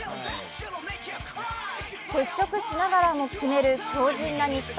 接触しながらも決める強じんな肉体。